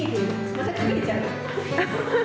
また隠れちゃう？